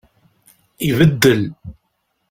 Ibeddel.